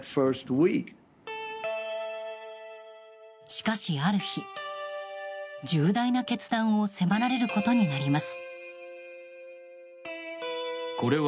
しかしある日、重大な決断を迫られることになります。